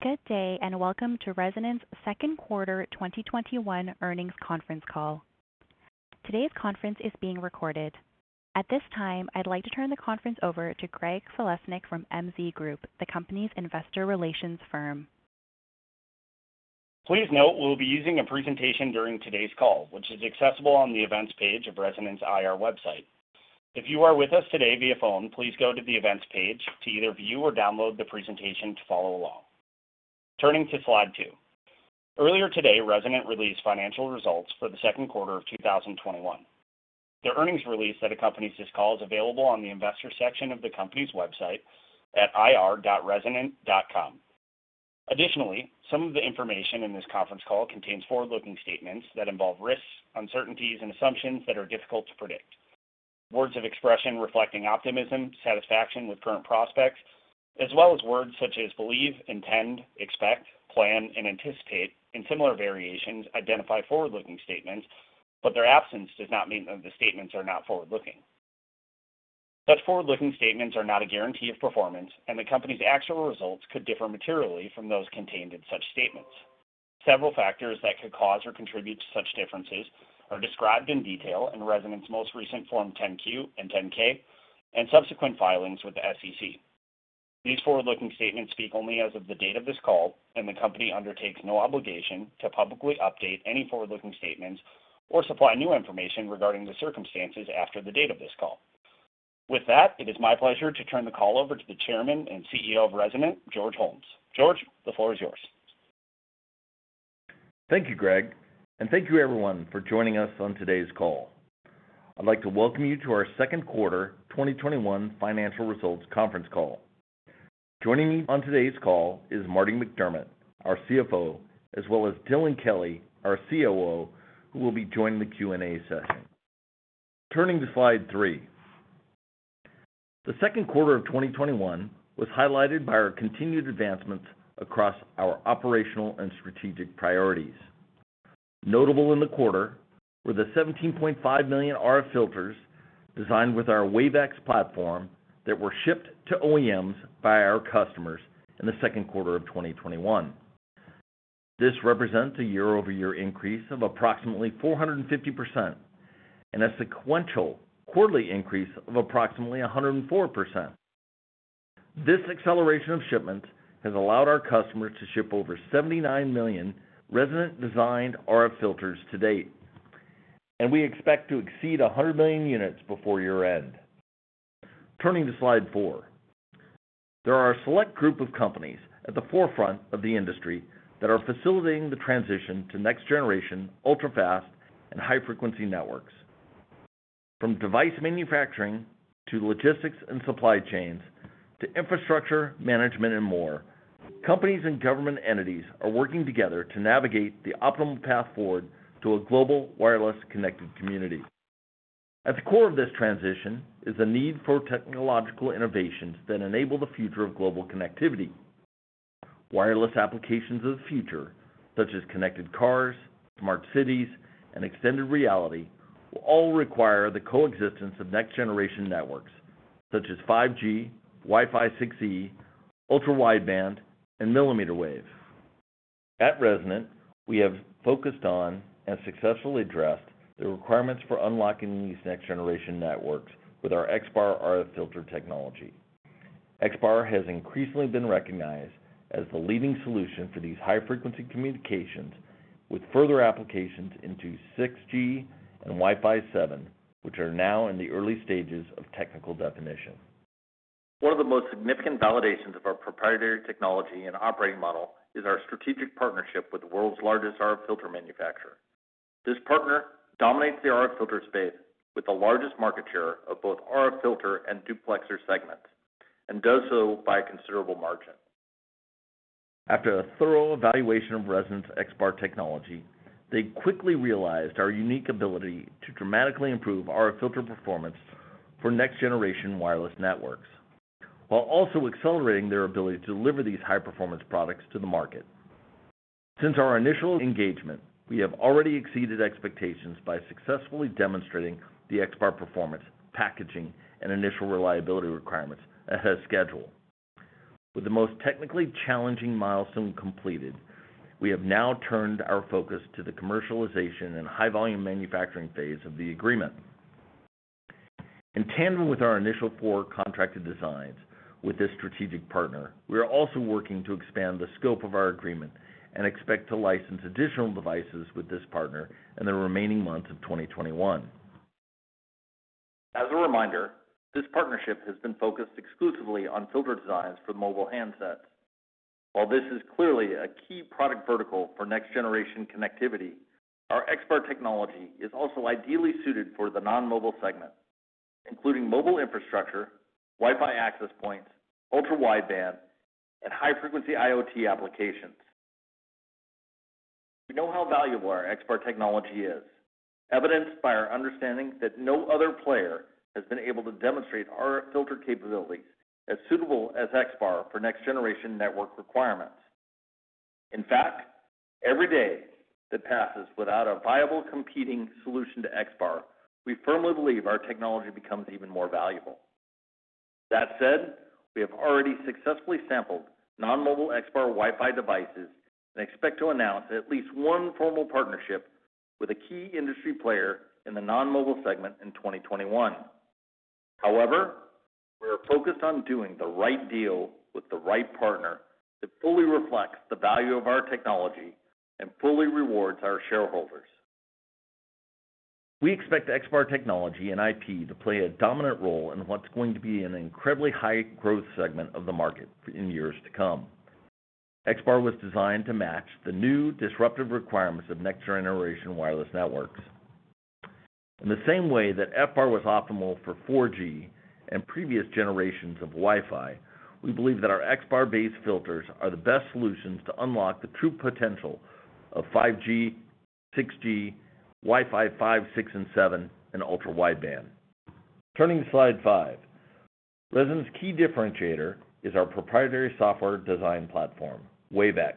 Good day, and welcome to Resonant's second quarter 2021 earnings conference call. Today's conference is being recorded. At this time, I'd like to turn the conference over to Greg Falesnik from MZ Group, the company's investor relations firm. Please note we will be using a presentation during today's call, which is accessible on the Events page of Resonant's IR website. If you are with us today via phone, please go to the Events page to either view or download the presentation to follow along. Turning to slide two. Earlier today, Resonant released financial results for the second quarter of 2021. The earnings release that accompanies this call is available on the Investors section of the company's website at ir.resonant.com. Additionally, some of the information in this conference call contains forward-looking statements that involve risks, uncertainties, and assumptions that are difficult to predict. Words of expression reflecting optimism, satisfaction with current prospects, as well as words such as believe, intend, expect, plan, and anticipate, and similar variations, identify forward-looking statements, but their absence does not mean that the statements are not forward-looking. Such forward-looking statements are not a guarantee of performance, and the company's actual results could differ materially from those contained in such statements. Several factors that could cause or contribute to such differences are described in detail in Resonant's most recent Form 10-Q and 10-K and subsequent filings with the SEC. These forward-looking statements speak only as of the date of this call, and the company undertakes no obligation to publicly update any forward-looking statements or supply new information regarding the circumstances after the date of this call. With that, it is my pleasure to turn the call over to the Chairman and Chief Executive Officer of Resonant, George Holmes. George, the floor is yours. Thank you, Greg, and thank you, everyone, for joining us on today's call. I'd like to welcome you to our second quarter 2021 financial results conference call. Joining me on today's call is Marty McDermut, our CFO, as well as Dylan Kelly, our COO, who will be joining the Q&A session. Turning to slide three. The second quarter of 2021 was highlighted by our continued advancements across our operational and strategic priorities. Notable in the quarter were the 17.5 million RF filters designed with our WaveX™ platform that were shipped to OEMs by our customers in the second quarter of 2021. This represents a year-over-year increase of approximately 450% and a sequential quarterly increase of approximately 104%. This acceleration of shipments has allowed our customers to ship over 79 million Resonant-designed RF filters to date, and we expect to exceed 100 million units before year-end. Turning to slide four. There are a select group of companies at the forefront of the industry that are facilitating the transition to next-generation, ultra-fast, and high-frequency networks. From device manufacturing to logistics and supply chains to infrastructure management and more, companies and government entities are working together to navigate the optimal path forward to a global wireless connected community. At the core of this transition is the need for technological innovations that enable the future of global connectivity. Wireless applications of the future, such as connected cars, smart cities, and extended reality, will all require the coexistence of next-generation networks, such as 5G, Wi-Fi 6E, ultra-wideband, and millimeter wave. At Resonant, we have focused on and successfully addressed the requirements for unlocking these next-generation networks with our XBAR® RF filter technology. XBAR® has increasingly been recognized as the leading solution for these high-frequency communications, with further applications into 6G and Wi-Fi 7, which are now in the early stages of technical definition. One of the most significant validations of our proprietary technology and operating model is our strategic partnership with the world's largest RF filter manufacturer. This partner dominates the RF filter space with the largest market share of both RF filter and duplexer segments, and does so by a considerable margin. After a thorough evaluation of Resonant's XBAR® technology, they quickly realized our unique ability to dramatically improve RF filter performance for next-generation wireless networks, while also accelerating their ability to deliver these high-performance products to the market. Since our initial engagement, we have already exceeded expectations by successfully demonstrating the XBAR® performance, packaging, and initial reliability requirements ahead of schedule. With the most technically challenging milestone completed, we have now turned our focus to the commercialization and high-volume manufacturing phase of the agreement. In tandem with our initial four contracted designs with this strategic partner, we are also working to expand the scope of our agreement and expect to license additional devices with this partner in the remaining months of 2021. As a reminder, this partnership has been focused exclusively on filter designs for mobile handsets. While this is clearly a key product vertical for next-generation connectivity, our XBAR® technology is also ideally suited for the non-mobile segment, including mobile infrastructure, Wi-Fi access points, ultra-wideband, and high-frequency IoT applications. We know how valuable our XBAR® technology is, evidenced by our understanding that no other player has been able to demonstrate RF filter capabilities as suitable as XBAR® for next-generation network requirements. In fact, every day that passes without a viable competing solution to XBAR®, we firmly believe our technology becomes even more valuable. That said, we have already successfully sampled non-mobile XBAR® Wi-Fi devices and expect to announce at least one formal partnership with a key industry player in the non-mobile segment in 2021. However, we are focused on doing the right deal with the right partner that fully reflects the value of our technology and fully rewards our shareholders. We expect XBAR® technology and IP to play a dominant role in what's going to be an incredibly high growth segment of the market in years to come. XBAR® was designed to match the new disruptive requirements of next generation wireless networks. In the same way that BAW was optimal for 4G and previous generations of Wi-Fi, we believe that our XBAR® base filters are the best solutions to unlock the true potential of 5G, 6G, Wi-Fi 5, 6, and 7, and ultra-wideband. Turning to slide five. Resonant's key differentiator is our proprietary software design platform, WaveX™,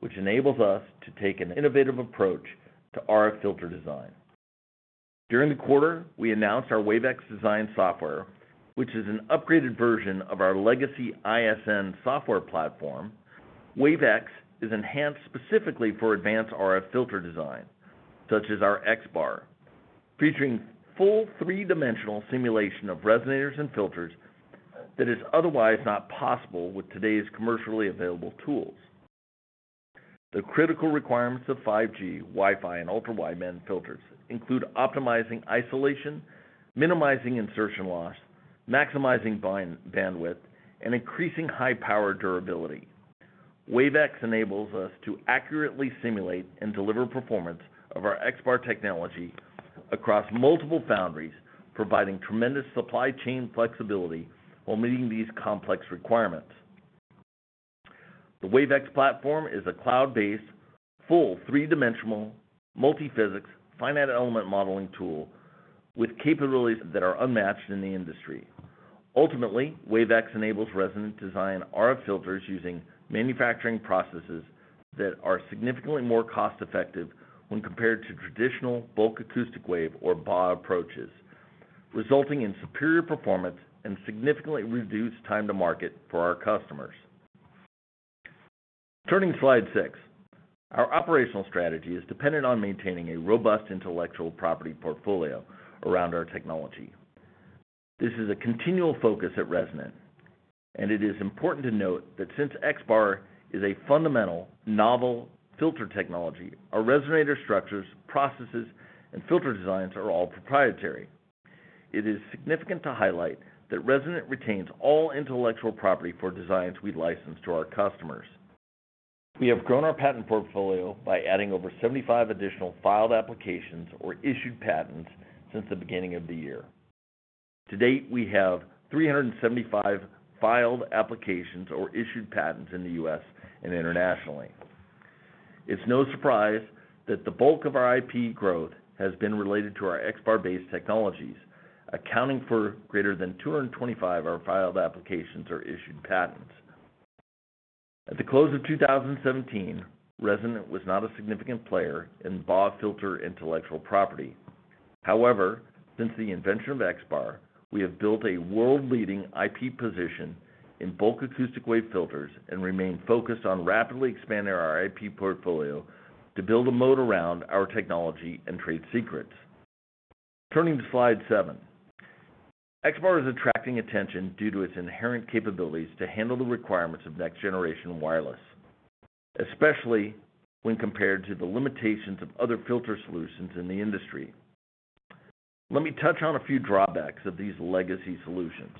which enables us to take an innovative approach to RF filter design. During the quarter, we announced our WaveX™ design software, which is an upgraded version of our legacy ISN® software platform. WaveX™ is enhanced specifically for advanced RF filter design, such as our XBAR®, featuring full three-dimensional simulation of resonators and filters that is otherwise not possible with today's commercially available tools. The critical requirements of 5G Wi-Fi and ultra-wideband filters include optimizing isolation, minimizing insertion loss, maximizing bandwidth, and increasing high-power durability. WaveX™ enables us to accurately simulate and deliver performance of our XBAR® technology across multiple foundries, providing tremendous supply chain flexibility while meeting these complex requirements. The WaveX™ platform is a cloud-based, full three-dimensional, multi-physics, finite element modeling tool with capabilities that are unmatched in the industry. Ultimately, WaveX™ enables Resonant design RF filters using manufacturing processes that are significantly more cost-effective when compared to traditional bulk acoustic wave, or BAW, approaches, resulting in superior performance and significantly reduced time to market for our customers. Turning to slide six. Our operational strategy is dependent on maintaining a robust intellectual property portfolio around our technology. This is a continual focus at Resonant, and it is important to note that since XBAR® is a fundamental novel filter technology, our resonator structures, processes, and filter designs are all proprietary. It is significant to highlight that Resonant retains all intellectual property for designs we license to our customers. We have grown our patent portfolio by adding over 75 additional filed applications or issued patents since the beginning of the year. To date, we have 375 filed applications or issued patents in the U.S. and internationally. It's no surprise that the bulk of our IP growth has been related to our XBAR®-based technologies, accounting for greater than 225 of our filed applications or issued patents. At the close of 2017, Resonant was not a significant player in BAW filter intellectual property. Since the invention of XBAR®, we have built a world-leading IP position in bulk acoustic wave filters and remain focused on rapidly expanding our IP portfolio to build a moat around our technology and trade secrets. Turning to slide seven. XBAR® is attracting attention due to its inherent capabilities to handle the requirements of next-generation wireless, especially when compared to the limitations of other filter solutions in the industry. Let me touch on a few drawbacks of these legacy solutions.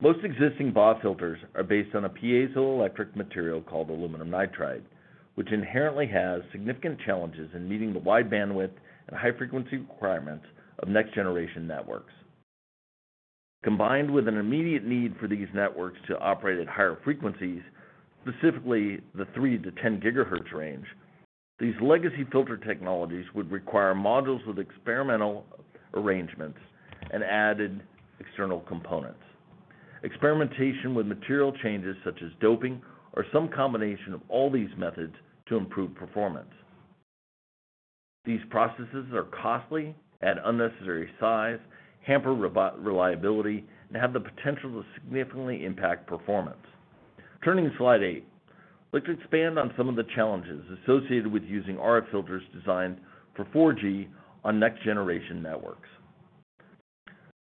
Most existing BAW filters are based on a piezoelectric material called aluminum nitride, which inherently has significant challenges in meeting the wide bandwidth and high-frequency requirements of next-generation networks. Combined with an immediate need for these networks to operate at higher frequencies, specifically the 3 GHz to 10 GHz range, these legacy filter technologies would require modules with experimental arrangements and added external components, experimentation with material changes such as doping, or some combination of all these methods to improve performance. These processes are costly, add unnecessary size, hamper reliability, and have the potential to significantly impact performance. Turning to slide eight. Let's expand on some of the challenges associated with using RF filters designed for 4G on next-generation networks.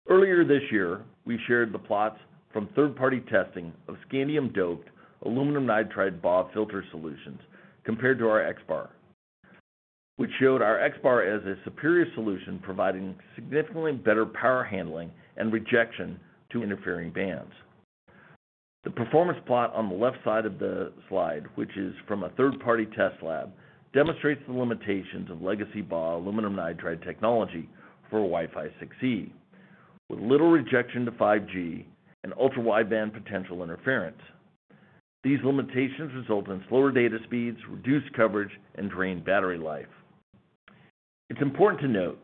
Earlier this year, we shared the plots from third-party testing of scandium-doped aluminum nitride BAW filter solutions compared to our XBAR, which showed our XBAR® as a superior solution, providing significantly better power handling and rejection to interfering bands. The performance plot on the left side of the slide, which is from a third-party test lab, demonstrates the limitations of legacy BAW aluminum nitride technology for Wi-Fi 6E. With little rejection to 5G and ultra-wideband potential interference, these limitations result in slower data speeds, reduced coverage, and drained battery life. It's important to note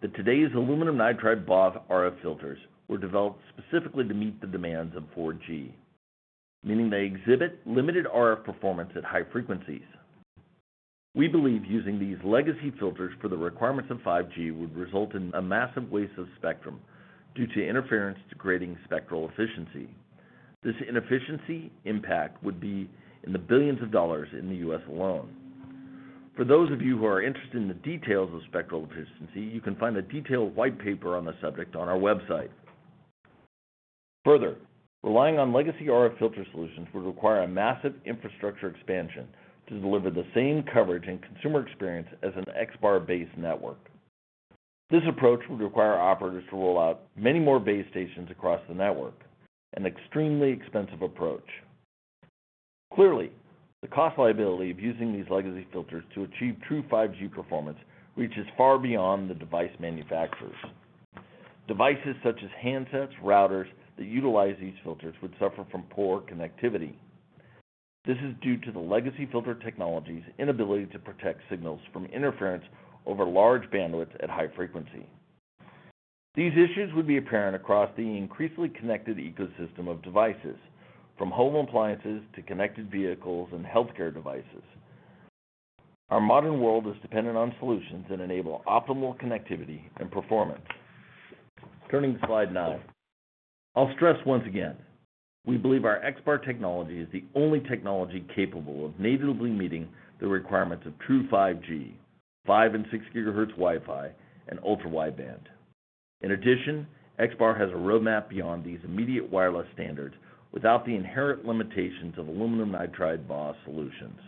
that today's aluminum nitride BAW RF filters were developed specifically to meet the demands of 4G, meaning they exhibit limited RF performance at high frequencies. We believe using these legacy filters for the requirements of 5G would result in a massive waste of spectrum due to interference degrading spectral efficiency. This inefficiency impact would be in the billions of dollars in the U.S. alone. For those of you who are interested in the details of spectral efficiency, you can find a detailed white paper on the subject on our website. Further, relying on legacy RF filter solutions would require a massive infrastructure expansion to deliver the same coverage and consumer experience as an XBAR® base network. This approach would require operators to roll out many more base stations across the network, an extremely expensive approach. Clearly, the cost liability of using these legacy filters to achieve true 5G performance reaches far beyond the device manufacturers. Devices such as handsets, routers that utilize these filters would suffer from poor connectivity. This is due to the legacy filter technology's inability to protect signals from interference over large bandwidth at high frequency. These issues would be apparent across the increasingly connected ecosystem of devices, from home appliances to connected vehicles and healthcare devices. Our modern world is dependent on solutions that enable optimal connectivity and performance. Turning to slide nine. I'll stress once again, we believe our XBAR® technology is the only technology capable of natively meeting the requirements of true 5G, 5 and 6 GHz Wi-Fi, and ultra-wideband. In addition, XBAR® has a roadmap beyond these immediate wireless standards without the inherent limitations of aluminum nitride BAW solutions.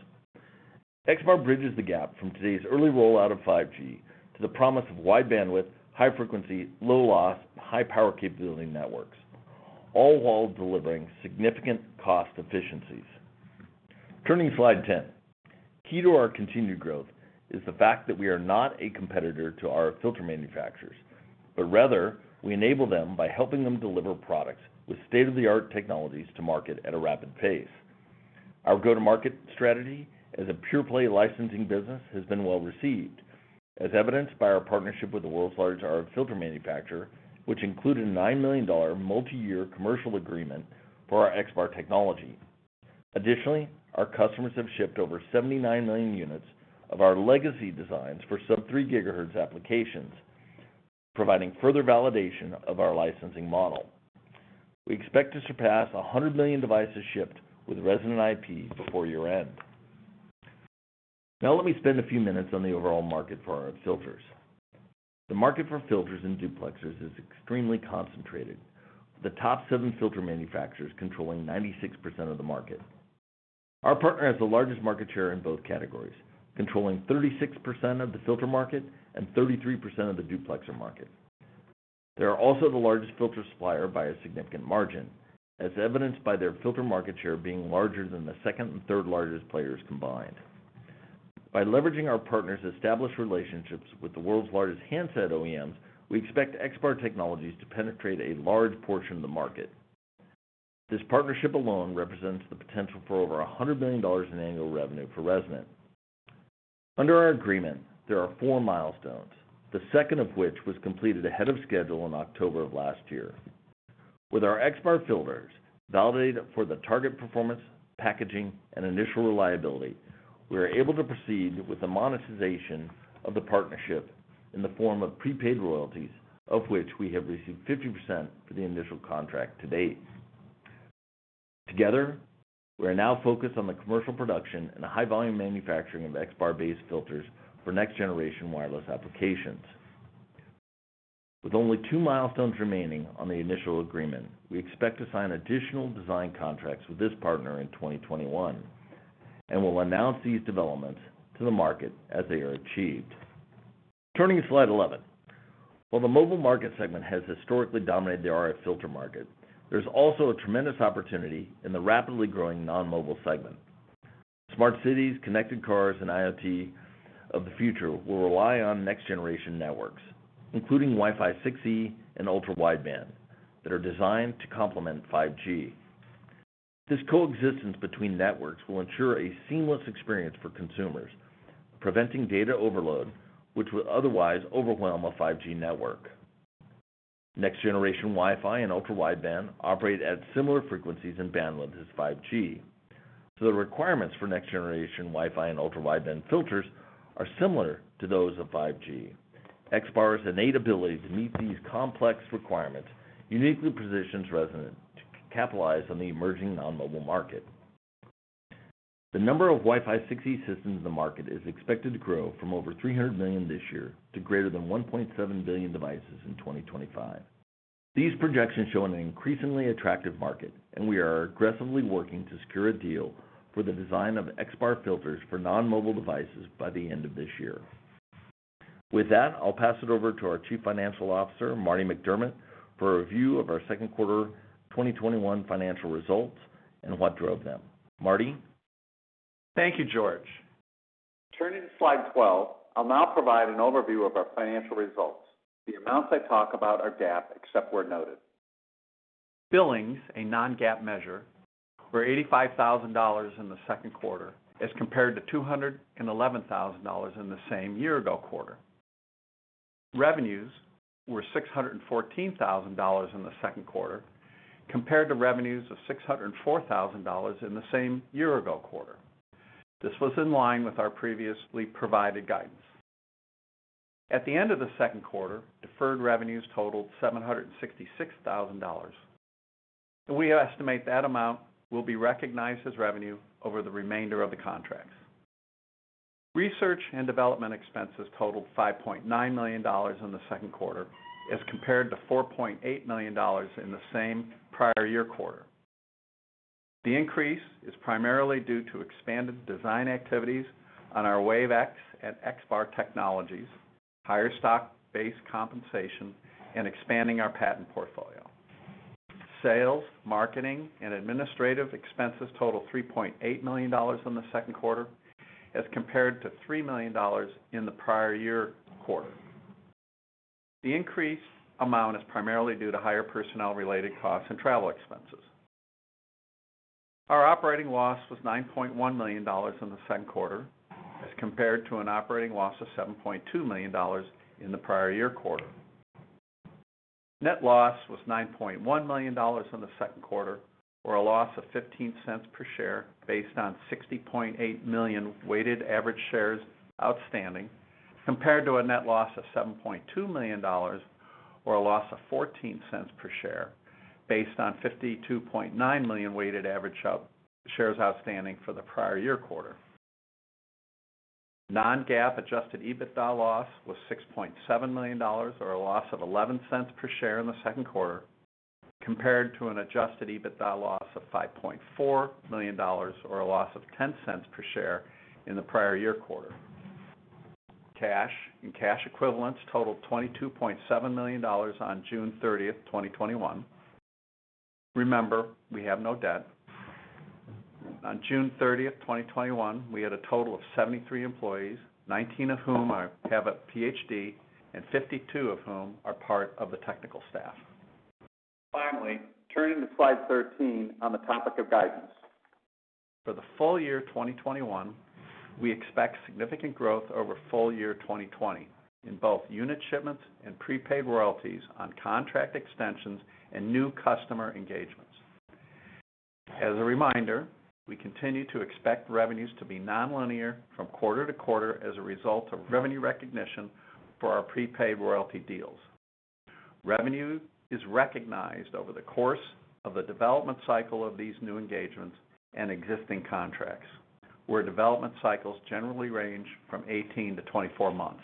XBAR® bridges the gap from today's early rollout of 5G to the promise of wide bandwidth, high frequency, low loss, high power capability networks, all while delivering significant cost efficiencies. Turning to slide 10. Key to our continued growth is the fact that we are not a competitor to our filter manufacturers, but rather, we enable them by helping them deliver products with state-of-the-art technologies to market at a rapid pace. Our go-to-market strategy as a pure-play licensing business has been well-received, as evidenced by our partnership with the world's largest RF filter manufacturer, which included a $9 million multi-year commercial agreement for our XBAR® technology. Additionally, our customers have shipped over 79 million units of our legacy designs for sub-3 GHz applications, providing further validation of our licensing model. We expect to surpass 100 million devices shipped with Resonant IP before year-end. Now let me spend a few minutes on the overall market for RF filters. The market for filters and duplexers is extremely concentrated, the top seven filter manufacturers controlling 96% of the market. Our partner has the largest market share in both categories, controlling 36% of the filter market and 33% of the duplexer market. They are also the largest filter supplier by a significant margin, as evidenced by their filter market share being larger than the second and third largest players combined. By leveraging our partner's established relationships with the world's largest handset OEMs, we expect XBAR® technologies to penetrate a large portion of the market. This partnership alone represents the potential for over $100 million in annual revenue for Resonant. Under our agreement, there are four milestones, the second of which was completed ahead of schedule in October of last year. With our XBAR® filters validated for the target performance, packaging, and initial reliability, we are able to proceed with the monetization of the partnership in the form of prepaid royalties, of which we have received 50% for the initial contract to date. Together, we are now focused on the commercial production and the high-volume manufacturing of XBAR®-based filters for next-generation wireless applications. With only two milestones remaining on the initial agreement, we expect to sign additional design contracts with this partner in 2021, and will announce these developments to the market as they are achieved. Turning to slide 11. While the mobile market segment has historically dominated the RF filter market, there's also a tremendous opportunity in the rapidly growing non-mobile segment. Smart cities, connected cars, and IoT of the future will rely on next-generation networks, including Wi-Fi 6E and ultra-wideband, that are designed to complement 5G. This coexistence between networks will ensure a seamless experience for consumers, preventing data overload, which would otherwise overwhelm a 5G network. Next-generation Wi-Fi and ultra-wideband operate at similar frequencies and bandwidth as 5G, so the requirements for next-generation Wi-Fi and ultra-wideband filters are similar to those of 5G. XBAR®'s innate ability to meet these complex requirements uniquely positions Resonant to capitalize on the emerging non-mobile market. The number of Wi-Fi 6E systems in the market is expected to grow from over 300 million this year to greater than 1.7 billion devices in 2025. These projections show an increasingly attractive market, and we are aggressively working to secure a deal for the design of XBAR® filters for non-mobile devices by the end of this year. With that, I'll pass it over to our Chief Financial Officer, Marty McDermut, for a review of our second quarter 2021 financial results and what drove them. Marty? Thank you, George. Turning to slide 12, I'll now provide an overview of our financial results. The amounts I talk about are GAAP except where noted. Billings, a non-GAAP measure, were $85,000 in the second quarter as compared to $211,000 in the same year ago quarter. Revenues were $614,000 in the second quarter, compared to revenues of $604,000 in the same year ago quarter. This was in line with our previously provided guidance. At the end of the second quarter, deferred revenues totaled $766,000, and we estimate that amount will be recognized as revenue over the remainder of the contracts. Research and development expenses totaled $5.9 million in the second quarter as compared to $4.8 million in the same prior year quarter. The increase is primarily due to expanded design activities on our WaveX™ and XBAR® technologies, higher stock-based compensation, and expanding our patent portfolio. Sales, marketing, and administrative expenses total $3.8 million in the second quarter as compared to $3 million in the prior year quarter. The increased amount is primarily due to higher personnel related costs and travel expenses. Our operating loss was $9.1 million in the second quarter as compared to an operating loss of $7.2 million in the prior year quarter. Net loss was $9.1 million in the second quarter, or a loss of $0.15 per share based on 60.8 million weighted average of shares outstanding, compared to a net loss of $7.2 million, or a loss of $0.14 per share based on 52.9 million weighted average of shares outstanding for the prior year quarter. Non-GAAP adjusted EBITDA loss was $6.7 million, or a loss of $0.11 per share in the second quarter compared to an adjusted EBITDA loss of $5.4 million, or a loss of $0.10 per share in the prior year quarter. Cash and cash equivalents totaled $22.7 million on June 30th, 2021. Remember, we have no debt. On June 30th, 2021, we had a total of 73 employees, 19 of whom have a PhD and 52 of whom are part of the technical staff. Finally, turning to slide 13 on the topic of guidance. For the full-year 2021, we expect significant growth over full-year 2020 in both unit shipments and prepaid royalties on contract extensions and new customer engagements. As a reminder, we continue to expect revenues to be non-linear from quarter-to-quarter as a result of revenue recognition for our prepaid royalty deals. Revenue is recognized over the course of the development cycle of these new engagements and existing contracts, where development cycles generally range from 18- 24 months.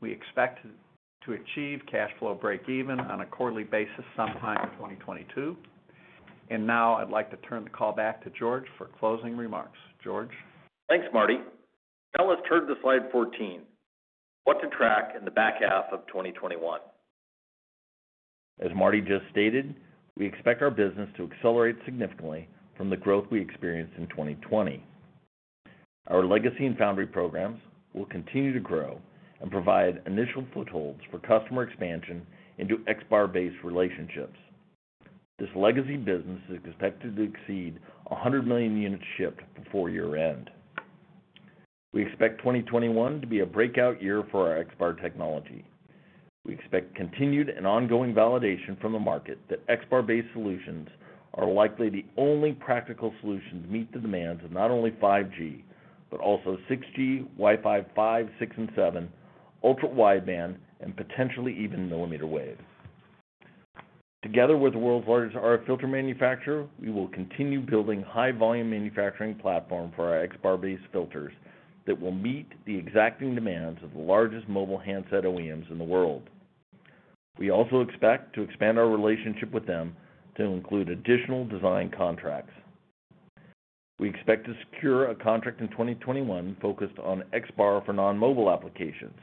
We expect to achieve cash flow breakeven on a quarterly basis sometime in 2022. Now I'd like to turn the call back to George for closing remarks. George? Thanks, Marty. Now let's turn to slide 14, what to track in the back half of 2021. As Marty just stated, we expect our business to accelerate significantly from the growth we experienced in 2020. Our legacy and foundry programs will continue to grow and provide initial footholds for customer expansion into XBAR®-based relationships. This legacy business is expected to exceed 100 million units shipped before year-end. We expect 2021 to be a breakout year for our XBAR® technology. We expect continued and ongoing validation from the market that XBAR®-based solutions are likely the only practical solution to meet the demands of not only 5G, but also 6G, Wi-Fi 5, 6, and 7, ultra-wideband, and potentially even millimeter wave. Together with the world's largest RF filter manufacturer, we will continue building high volume manufacturing platform for our XBAR®-based filters that will meet the exacting demands of the largest mobile handset OEMs in the world. We also expect to expand our relationship with them to include additional design contracts. We expect to secure a contract in 2021 focused on XBAR® for non-mobile applications,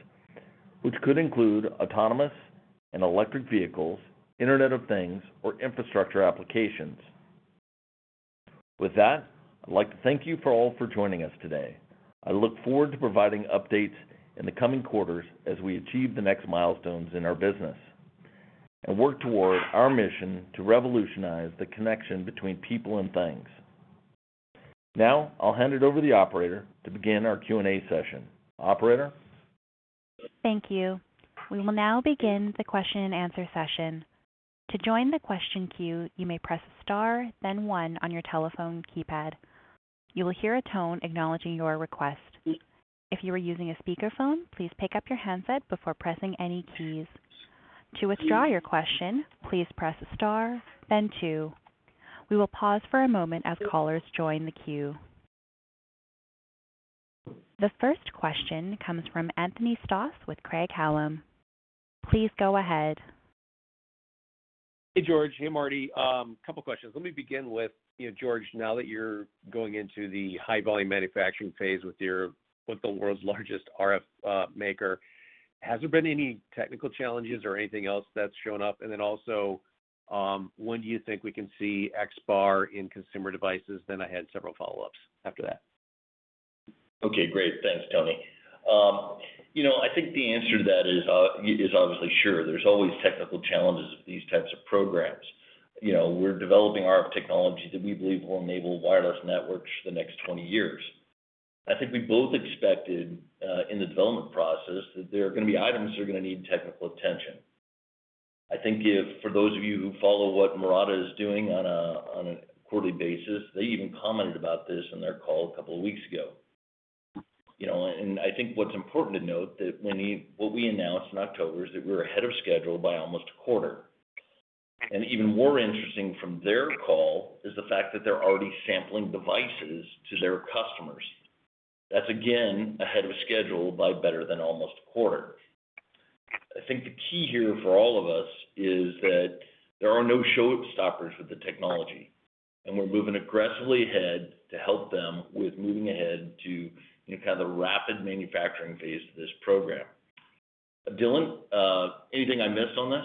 which could include autonomous and electric vehicles, Internet of Things, or infrastructure applications. With that, I'd like to thank you all for joining us today. I look forward to providing updates in the coming quarters as we achieve the next milestones in our business and work towards our mission to revolutionize the connection between people and things. Now, I'll hand it over to the operator to begin our Q&A session. Operator? Thank you. We will now begin the question-and answer-session. To join the question queue, you may press star then one on your telephone keypad. You will hear a tone acknowledging your request to speak. If you are using a speaker phone, please pick up your handset before pressing any keys. To withdraw your question, please press star then two. We will pause for a moment off callers join the queue. The first question comes from Anthony Stoss with Craig-Hallum. Please go ahead. Hey, George. Hey, Marty. Couple questions. Let me begin with, George, now that you're going into the high volume manufacturing phase with the world's largest RF maker, has there been any technical challenges or anything else that's shown up? Also, when do you think we can see XBAR® in consumer devices? I had several follow-ups after that. Okay, great. Thanks, Tony. I think the answer to that is obviously, sure. There's always technical challenges with these types of programs. We're developing RF technology that we believe will enable wireless networks for the next 20 years. I think we both expected, in the development process, that there are going to be items that are going to need technical attention. I think for those of you who follow what Murata is doing on a quarterly basis, they even commented about this on their call a couple of weeks ago. I think what's important to note that what we announced in October is that we're ahead of schedule by almost a quarter. Even more interesting from their call is the fact that they're already sampling devices to their customers. That's again, ahead of schedule by better than almost a quarter. I think the key here for all of us is that there are no show stoppers with the technology, and we're moving aggressively ahead to help them with moving ahead to the rapid manufacturing phase of this program. Dylan, anything I missed on this?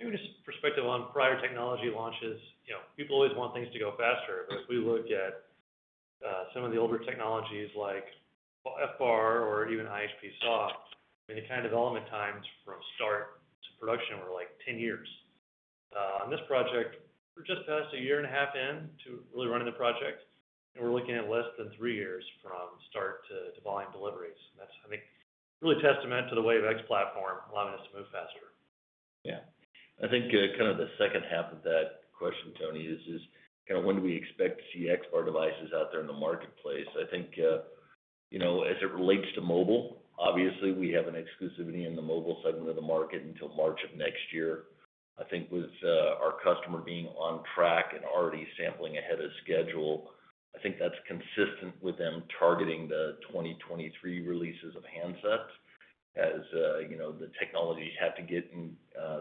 Maybe just perspective on prior technology launches. If we look at some of the older technologies like FBAR or even I.H.P. SAW, the development times from start to production were like 10 years. On this project, we're just a year and a half in to really running the project, we're looking at less than three years from start to volume deliveries. That's, I think, really a testament to the WaveX™ platform allowing us to move faster. Yeah. I think the second half of that question, Tony, is when do we expect to see XBAR® devices out there in the marketplace? I think, as it relates to mobile, obviously we have an exclusivity in the mobile segment of the market until March of next year. I think with our customer being on track and already sampling ahead of schedule, I think that's consistent with them targeting the 2023 releases of handsets as the technologies have to get in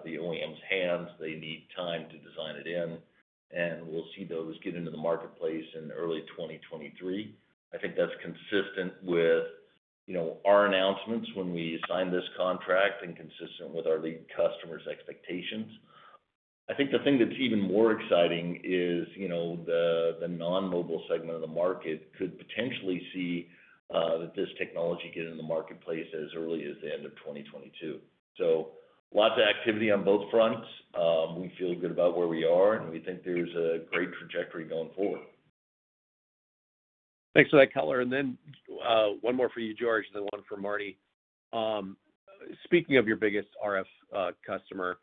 the OEM's hands. They need time to design it in, and we'll see those get into the marketplace in early 2023. I think that's consistent with our announcements when we signed this contract and consistent with our lead customer's expectations. I think the thing that's even more exciting is the non-mobile segment of the market could potentially see this technology get in the marketplace as early as the end of 2022. Lots of activity on both fronts. We feel good about where we are, and we think there's a great trajectory going forward. Thanks for that color. Then, one more for you, George, then one for Marty. Speaking of your biggest RF customer,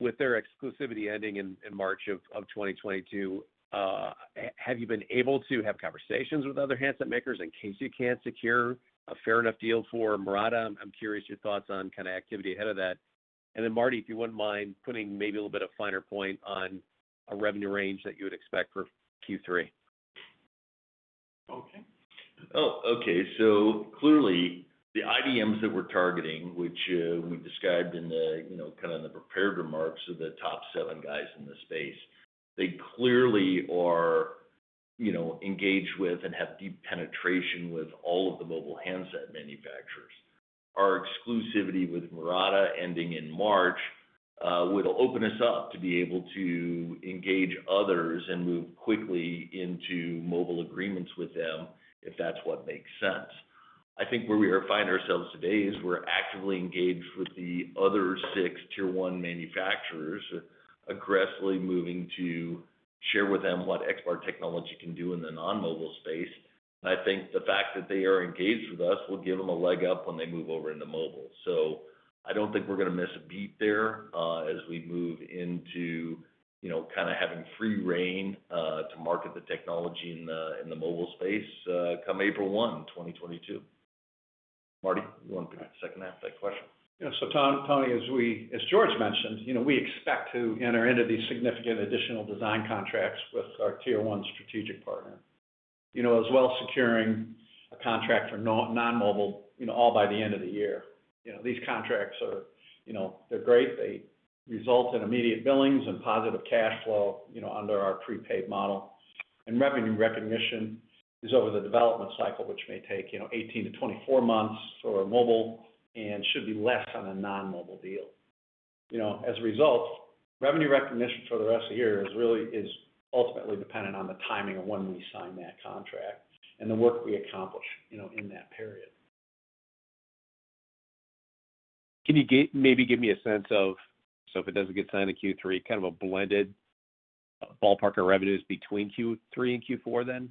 with their exclusivity ending in March of 2022, have you been able to have conversations with other handset makers in case you can't secure a fair enough deal for Murata? I'm curious your thoughts on activity ahead of that. Then Marty, if you wouldn't mind putting maybe a little bit of finer point on a revenue range that you would expect for Q3. Okay. Clearly the IDMs that we're targeting, which we described in the prepared remarks are the top seven guys in the space. They clearly are engaged with and have deep penetration with all of the mobile handset manufacturers. Our exclusivity with Murata ending in March will open us up to be able to engage others and move quickly into mobile agreements with them, if that's what makes sense. I think where we find ourselves today is we're actively engaged with the other six Tier-1 manufacturers, aggressively moving to share with them what XBAR® technology can do in the non-mobile space. I think the fact that they are engaged with us will give them a leg up when they move over into mobile. I don't think we're gonna miss a beat there as we move into having free rein to market the technology in the mobile space come April 1, 2022. Marty, you want the second half of that question? Yeah. Tony, as George mentioned, we expect to enter into these significant additional design contracts with our Tier-1 strategic partner, as well as securing a contract for non-mobile, all by the end of the year. These contracts, they're great. They result in immediate billings and positive cash flow under our prepaid model. Revenue recognition is over the development cycle, which may take 18-24 months for mobile and should be less on a non-mobile deal. As a result, revenue recognition for the rest of the year is ultimately dependent on the timing of when we sign that contract and the work we accomplish in that period. Can you maybe give me a sense of, so if it doesn't get signed in Q3, a blended ballpark of revenues between Q3 and Q4 then?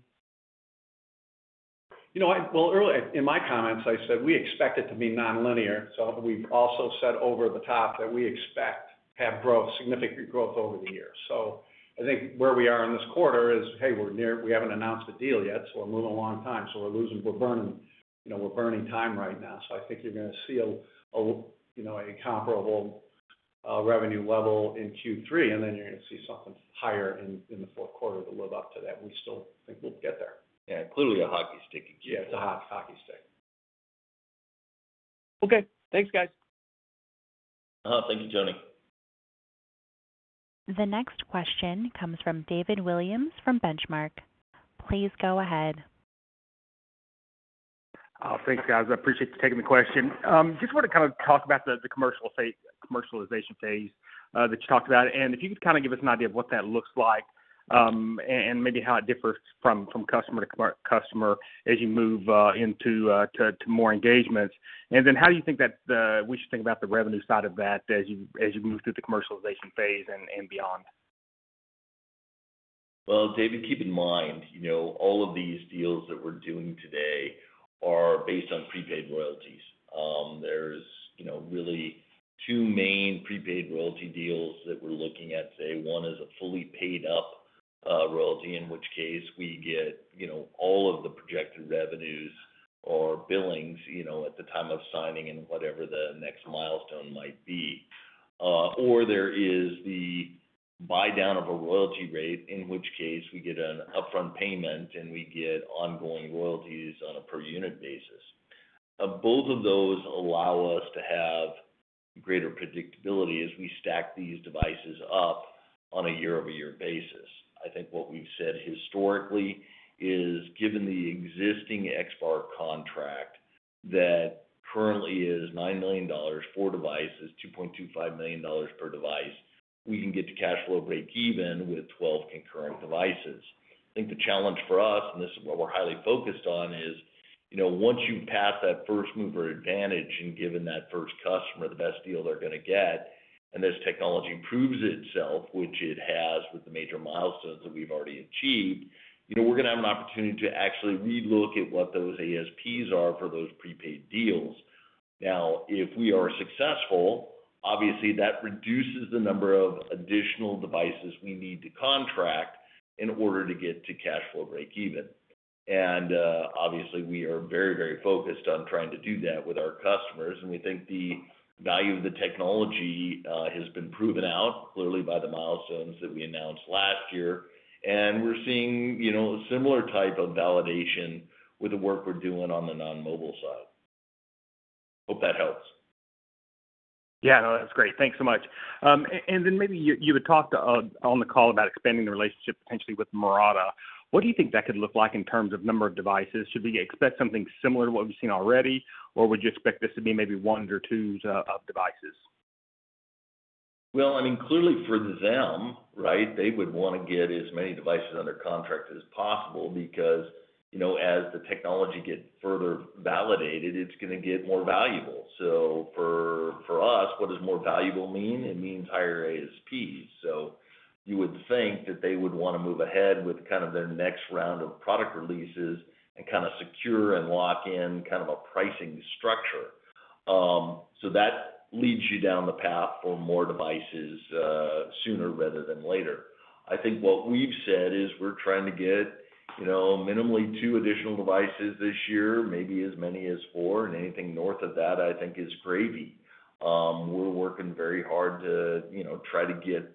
Well, earlier in my comments I said we expect it to be non-linear. We've also said over the top that we expect to have significant growth over the year. I think where we are in this quarter is, hey, we haven't announced a deal yet, so we're moving along on time. We're burning time right now. I think you're gonna see a comparable revenue level in Q3, and then you're gonna see something higher in the fourth quarter to live up to that. We still think we'll get there. Yeah, clearly a hockey stick. Yeah, it's a hockey stick. Okay. Thanks, guys. Thank you, Tony. The next question comes from David Williams from Benchmark. Please go ahead. Thanks, guys. I appreciate you taking the question. I just want to talk about the commercialization phase that you talked about, and if you could give us an idea of what that looks like, and maybe how it differs from customer to customer as you move into more engagements. How do you think that we should think about the revenue side of that as you move through the commercialization phase and beyond? Well, David, keep in mind, all of these deals that we're doing today are based on prepaid royalties. There's really two main prepaid royalty deals that we're looking at today. One is a fully paid-up royalty, in which case we get all of the projected revenues or billings, at the time of signing and whatever the next milestone might be. There is the buy-down of a royalty rate, in which case we get an upfront payment and we get ongoing royalties on a per unit basis. Both of those allow us to have greater predictability as we stack these devices up on a year-over-year basis. I think what we've said historically is, given the existing XBAR® contract, that currently is $9 million for devices, $2.25 million per device, we can get to cash flow breakeven with 12 concurrent devices. I think the challenge for us, and this is what we're highly focused on, is once you pass that first-mover advantage and given that first customer the best deal they're going to get, and this technology proves itself, which it has with the major milestones that we've already achieved, we're going to have an opportunity to actually re-look at what those ASPs are for those prepaid deals. Now, if we are successful, obviously that reduces the number of additional devices we need to contract in order to get to cash flow breakeven. Obviously we are very focused on trying to do that with our customers, and we think the value of the technology has been proven out clearly by the milestones that we announced last year. We're seeing a similar type of validation with the work we're doing on the non-mobile side. Hope that helps. Yeah, no, that's great. Thanks so much. Then maybe you had talked on the call about expanding the relationship potentially with Murata. What do you think that could look like in terms of number of devices? Should we expect something similar to what we've seen already, or would you expect this to be maybe one or two of devices? Well, clearly for them, they would want to get as many devices under contract as possible because, as the technology gets further validated, it's going to get more valuable. For us, what does more valuable mean? It means higher ASPs. You would think that they would want to move ahead with kind of their next round of product releases and kind of secure and lock in a pricing structure. That leads you down the path for more devices sooner rather than later. I think what we've said is we're trying to get minimally two additional devices this year, maybe as many as four, and anything north of that I think is gravy. We're working very hard to try to get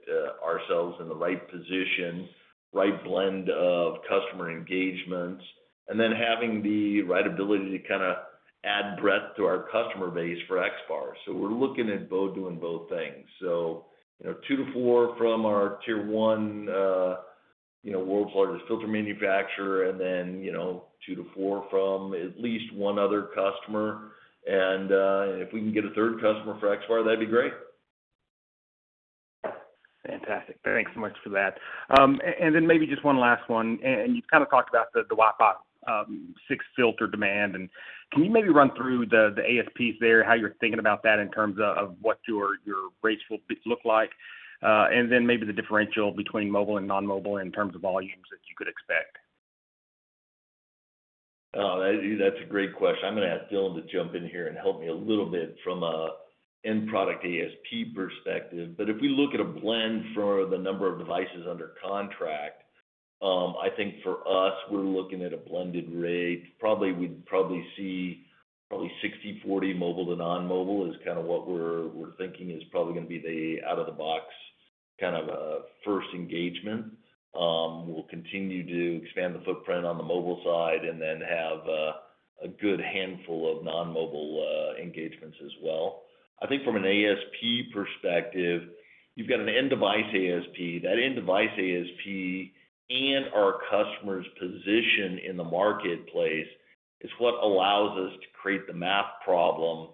ourselves in the right position, right blend of customer engagements, and then having the right ability to add breadth to our customer base for XBAR®. We're looking at doing both things. Two to four from our Tier-1 world's largest filter manufacturer and then two to four from at least one other customer. If we can get a third customer for XBAR®, that'd be great. Fantastic. Thanks so much for that. Maybe just one last one, you've kind of talked about the Wi-Fi 6 filter demand, can you maybe run through the ASPs there, how you're thinking about that in terms of what your rates will look like? Maybe the differential between mobile and non-mobile in terms of volumes that you could expect. Oh, that's a great question. I'm going to ask Dylan to jump in here and help me a little bit from an end product ASP perspective. If we look at a blend for the number of devices under contract, I think for us, we're looking at a blended rate. We'd probably see probably 60/40 mobile to non-mobile is kind of what we're thinking is probably going to be the out-of-the-box first engagement. We'll continue to expand the footprint on the mobile side and then have a good handful of non-mobile engagements as well. I think from an ASP perspective, you've got an end device ASP. That end device ASP and our customer's position in the marketplace is what allows us to create the math problem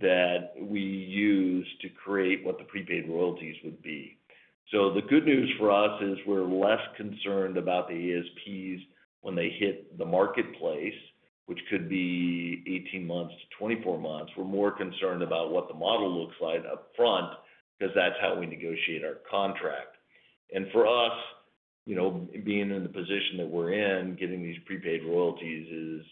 that we use to create what the prepaid royalties would be. The good news for us is we're less concerned about the ASPs when they hit the marketplace, which could be 18 months-24 months. We're more concerned about what the model looks like upfront, because that's how we negotiate our contract. For us, being in the position that we're in, getting these prepaid royalties is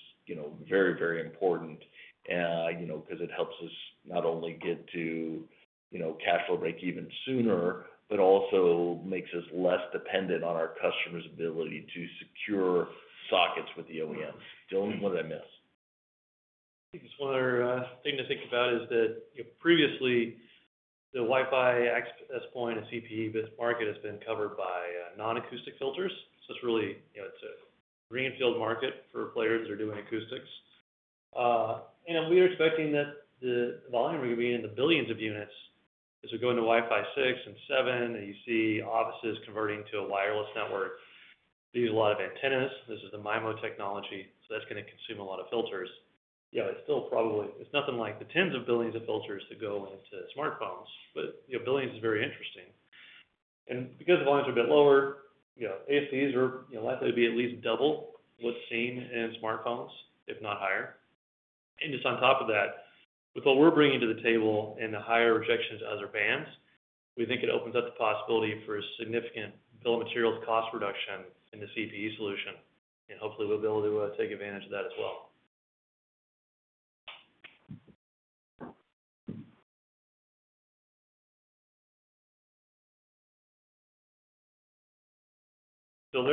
very important, because it helps us not only get to cash flow breakeven sooner, but also makes us less dependent on our customer's ability to secure sockets with the OEMs. Dylan, what did I miss? I think just one other thing to think about is that previously, the Wi-Fi access point and CPE business market has been covered by non-acoustic filters. It's a greenfield market for players that are doing acoustics. We are expecting that the volume are going to be in the billions of units. As we go into Wi-Fi 6 and 7, and you see offices converting to a wireless network, they use a lot of antennas. This is the MIMO technology, so that's going to consume a lot of filters. It's nothing like the tens of billions of filters that go into smartphones, but billions is very interesting. Because the volumes are a bit lower, ASPs are likely to be at least double what's seen in smartphones, if not higher. Just on top of that, with what we're bringing to the table and the higher rejections of other bands, we think it opens up the possibility for a significant bill of materials cost reduction in the CPE solution, and hopefully we'll be able to take advantage of that as well. Still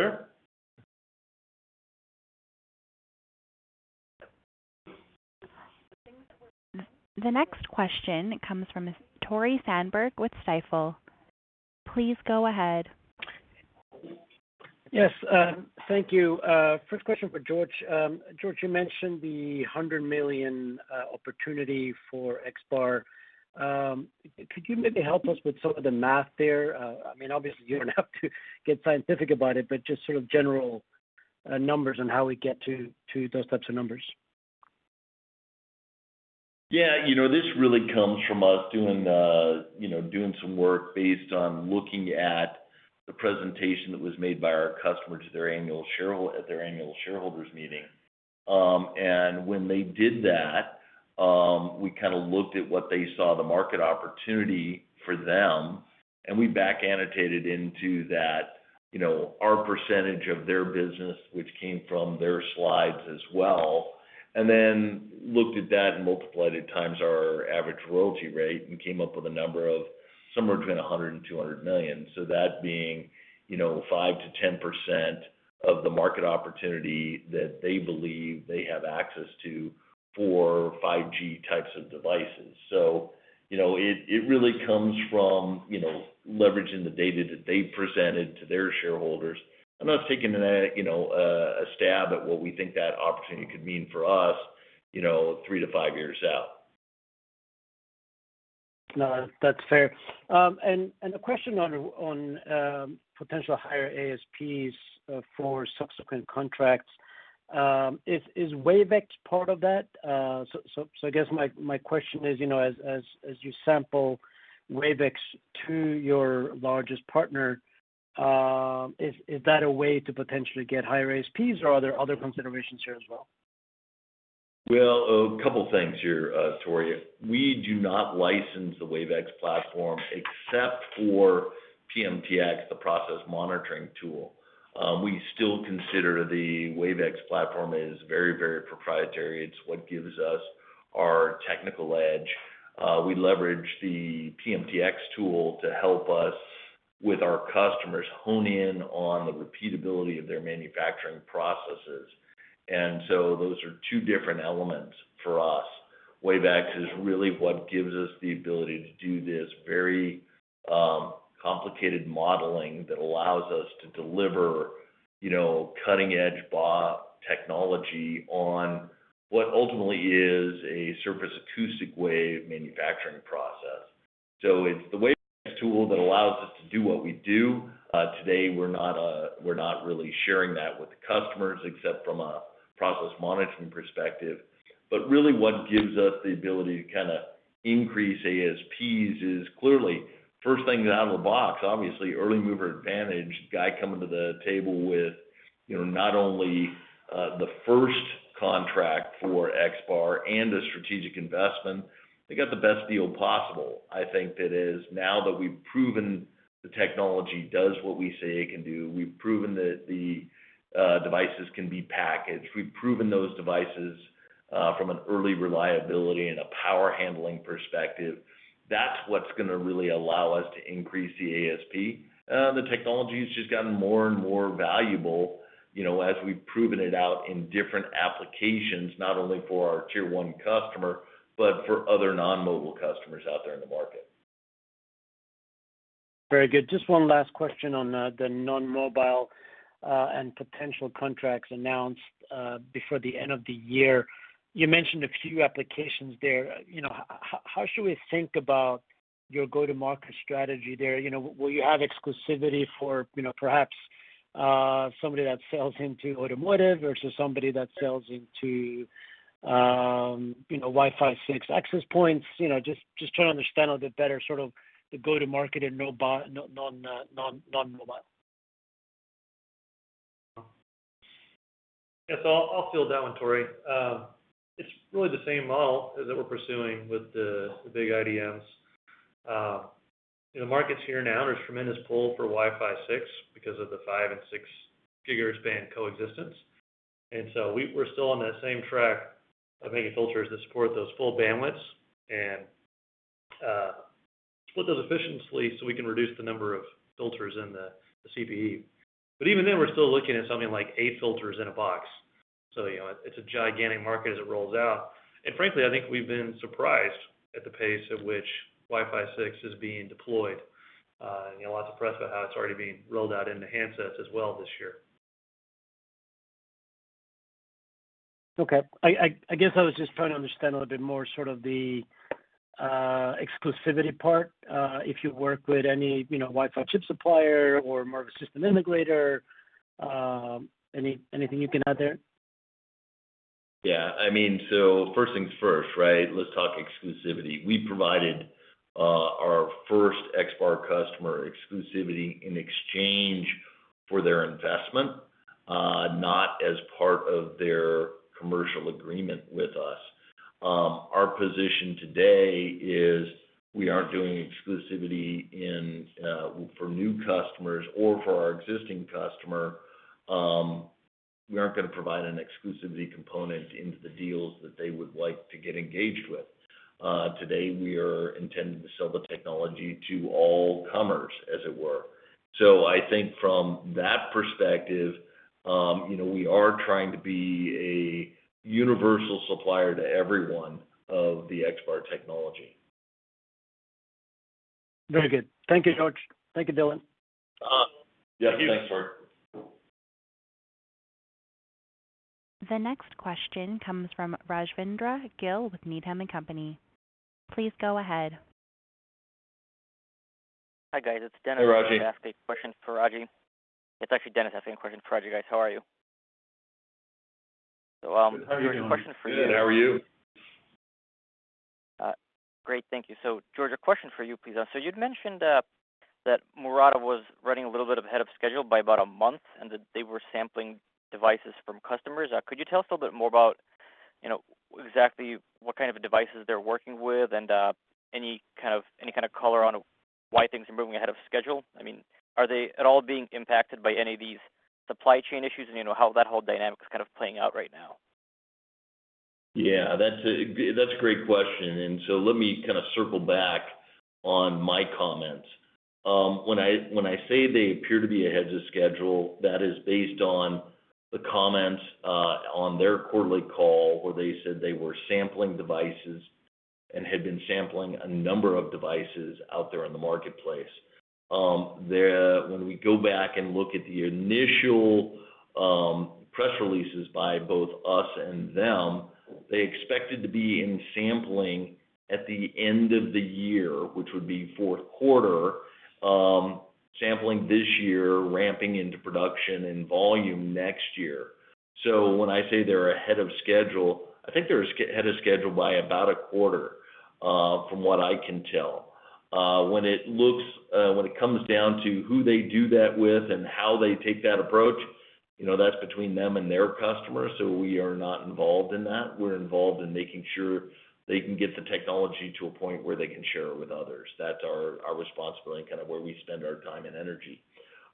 there? The next question comes from Tore Svanberg with Stifel. Please go ahead. Yes. Thank you. First question for George. George, you mentioned the $100 million opportunity for XBAR®. Could you maybe help us with some of the math there? Obviously, you don't have to get scientific about it, but just general numbers on how we get to those types of numbers. Yeah. This really comes from us doing some work based on looking at the presentation that was made by our customer at their annual shareholders meeting. When they did that, we kinda looked at what they saw the market opportunity for them, and we back-annotated into that our percentage of their business, which came from their slides as well, and then looked at that and multiplied it times our average royalty rate, and came up with a number of somewhere between $100 million-$200 million. That being 5%-10% of the market opportunity that they believe they have access to for 5G types of devices. It really comes from leveraging the data that they presented to their shareholders and us taking a stab at what we think that opportunity could mean for us, three to five years out. No, that's fair. A question on potential higher ASPs for subsequent contracts. Is WaveX™ part of that? I guess my question is, as you sample WaveX™ to your largest partner, is that a way to potentially get higher ASPs, or are there other considerations here as well? Well, a couple things here, Tore. We do not license the WaveX™ platform except for PMTx, the process monitoring tool. We still consider the WaveX™ platform as very, very proprietary. It's what gives us our technical edge. We leverage the PMTx tool to help us, with our customers, hone in on the repeatability of their manufacturing processes. Those are two different elements for us. WaveX™ is really what gives us the ability to do this very complicated modeling that allows us to deliver cutting-edge BAW technology on what ultimately is a surface acoustic wave manufacturing process. It's the WaveX™ tool that allows us to do what we do. Today, we're not really sharing that with the customers, except from a process monitoring perspective. Really what gives us the ability to increase ASPs is clearly, first thing out of the box, obviously, early mover advantage, guy coming to the table with not only the first contract for XBAR® and a strategic investment. They got the best deal possible. I think that is now that we've proven the technology does what we say it can do, we've proven that the devices can be packaged, we've proven those devices from an early reliability and a power handling perspective. That's what's going to really allow us to increase the ASP. The technology's just gotten more and more valuable, as we've proven it out in different applications, not only for our Tier-1 customer, but for other non-mobile customers out there in the market. Very good. Just one last question on the non-mobile, and potential contracts announced, before the end of the year. You mentioned a few applications there. How should we think about your go-to-market strategy there? Will you have exclusivity for perhaps, somebody that sells into automotive versus somebody that sells into Wi-Fi 6 access points? Just trying to understand a bit better the go-to-market in non-mobile. Yeah. I'll field that one, Tore. It's really the same model as that we're pursuing with the big IDMs. In the markets here now, there's tremendous pull for Wi-Fi 6 because of the 5 GHz and 6 GHz band coexistence. We're still on that same track of making filters that support those full bandwidths and split those efficiently so we can reduce the number of filters in the CPE. Even then, we're still looking at something like eight filters in a box. It's a gigantic market as it rolls out. Frankly, I think we've been surprised at the pace at which Wi-Fi 6 is being deployed. Lots of press about how it's already being rolled out into handsets as well this year. Okay. I guess I was just trying to understand a little bit more sort of the exclusivity part, if you work with any Wi-Fi chip supplier or more of a system integrator. Anything you can add there? Yeah. I mean, first things first, right? Let's talk exclusivity. We provided our first XBAR® customer exclusivity in exchange for their investment, not as part of their commercial agreement with us. Our position today is we aren't doing exclusivity for new customers or for our existing customer. We aren't going to provide an exclusivity component into the deals that they would like to get engaged with. Today, we are intending to sell the technology to all comers, as it were. I think from that perspective, we are trying to be a universal supplier to everyone of the XBAR® technology. Very good. Thank you, George. Thank you, Dylan. Yeah. Thanks, Tore. The next question comes from Rajvindra Gill with Needham & Company. Please go ahead. Hi, guys. It's Dennis- Hey, Raji. asking questions for Raji. It's actually Dennis asking questions for Raji, guys. How are you? Good. How are you doing? A question for you. Good. How are you? Great. Thank you. George, a question for you, please. You'd mentioned that Murata was running a little bit ahead of schedule by about 1 month, and that they were sampling devices from customers. Could you tell us a little bit more about exactly what kind of devices they're working with and any kind of color on why things are moving ahead of schedule? Are they at all being impacted by any of these supply chain issues, and how that whole dynamic is kind of playing out right now? Yeah. That's a great question. Let me kind of circle back on my comments. When I say they appear to be ahead of schedule, that is based on the comments on their quarterly call where they said they were sampling devices and had been sampling a number of devices out there in the marketplace. When we go back and look at the initial press releases by both us and them, they expected to be in sampling at the end of the year, which would be fourth quarter, sampling this year, ramping into production and volume next year. When I say they're ahead of schedule, I think they're ahead of schedule by about a quarter, from what I can tell. When it comes down to who they do that with and how they take that approach, that's between them and their customers, so we are not involved in that. We're involved in making sure they can get the technology to a point where they can share it with others. That's our responsibility and kind of where we spend our time and energy.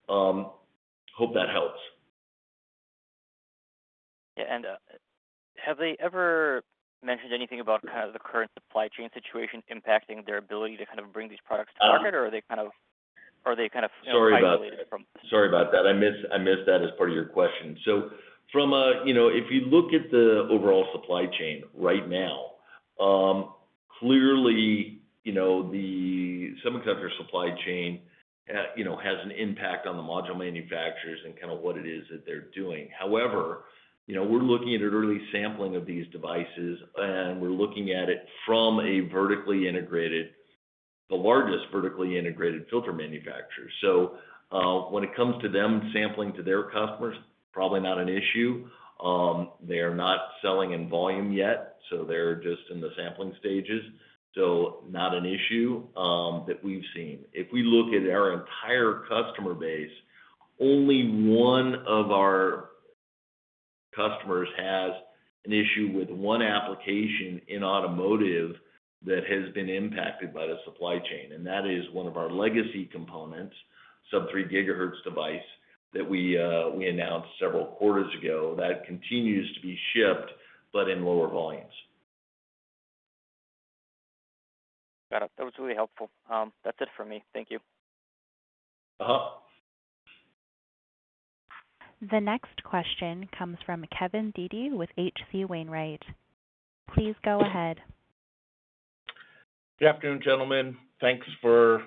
Hope that helps. Yeah. Have they ever mentioned anything about kind of the current supply chain situation impacting their ability to kind of bring these products to market? Or are they kind of- Sorry about that. isolated from- Sorry about that. I missed that as part of your question. If you look at the overall supply chain right now, clearly, the semiconductor supply chain has an impact on the module manufacturers and kind of what it is that they're doing. However, we're looking at an early sampling of these devices, and we're looking at it from the largest vertically integrated filter manufacturer. When it comes to them sampling to their customers, probably not an issue. They are not selling in volume yet, so they're just in the sampling stages, so not an issue that we've seen. If we look at our entire customer base, only one of our customers has an issue with one application in automotive that has been impacted by the supply chain, and that is one of our legacy components, sub-3 GHz device, that we announced several quarters ago. That continues to be shipped, but in lower volumes. Got it. That was really helpful. That's it for me. Thank you. The next question comes from Kevin Dede with H.C. Wainwright. Please go ahead. Good afternoon, gentlemen. Thanks for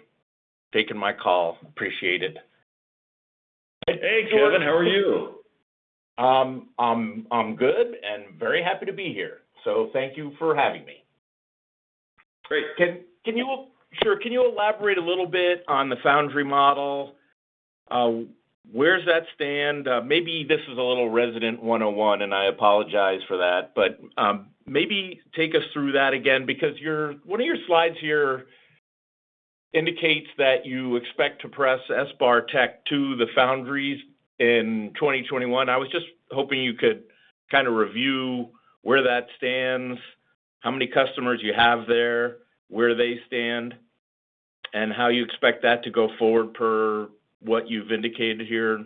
taking my call. Appreciate it. Hey, Kevin. How are you? I'm good, and very happy to be here, so thank you for having me. Great. Sure. Can you elaborate a little bit on the foundry model? Where's that stand? Maybe this is a little Resonant 101, and I apologize for that, but maybe take us through that again because one of your slides here indicates that you expect to press XBAR® tech to the foundries in 2021. I was just hoping you could kind of review where that stands, how many customers you have there, where they stand, and how you expect that to go forward per what you've indicated here.